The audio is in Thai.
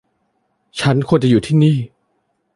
ฉันควรจะอยู่ที่นี่